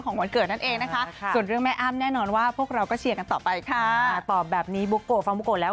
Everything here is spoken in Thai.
หนักข่าวถามแม่อ้ำแม่งก็ตอบหมดค่ะ